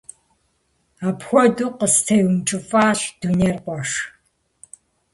Апхуэдэу къыстеункӀыфӀащ дунейр, къуэш.